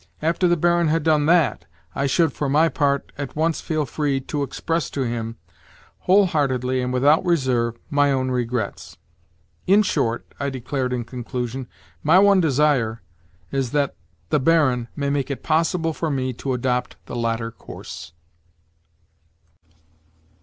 After the Baron had done that, I should, for my part, at once feel free to express to him, whole heartedly and without reserve, my own regrets. "In short," I declared in conclusion, "my one desire is that the Baron may make it possible for me to adopt the latter course."